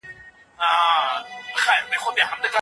هغه بدلونونه چي راغلل مثبت نه وو.